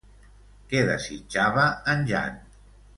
Què desitjava en Jan?